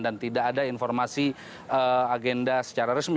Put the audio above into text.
dan tidak ada informasi agenda secara resmi